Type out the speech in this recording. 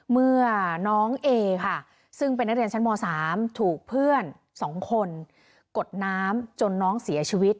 เมื่อน้องเอค่ะซึ่งเป็นนักเรียนชั้นม๓ถูกเพื่อน๒คนกดน้ำจนน้องเสียชีวิต